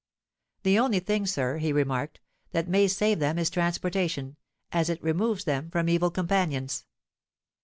'The only thing, sir,' he remarked, 'that may save them is transportation, as it removes them from evil companions.'